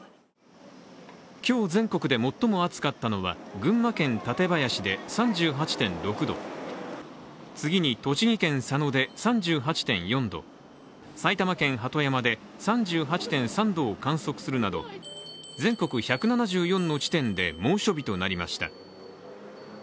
今日、全国で最も暑かったのは群馬県館林で１８．６度、次に栃木県佐野で３８．４度、埼玉県鳩山で３８．３度を観測するなど全国１７４の地点で猛暑日となりました。